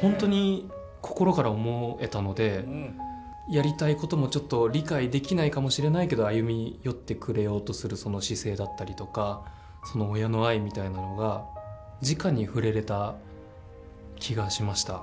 本当に心から思えたのでやりたいこともちょっと理解できないかもしれないけど歩み寄ってくれようとするその姿勢だったりとか親の愛みたいなのがじかに触れられた気がしました。